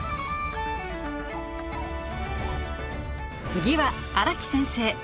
次は荒木先生。